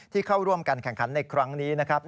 เข้าร่วมการแข่งขันในครั้งนี้นะครับ